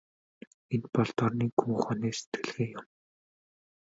Энэ бол дорнын гүн ухааны сэтгэлгээ юм.